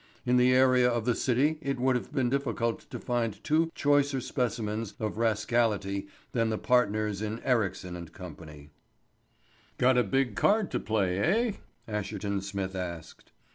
In the area of the City it would have been difficult to find two choicer specimens of rascality than the partners in Ericsson & Co. "Got a big card to play, eh?" Asherton Smith asked.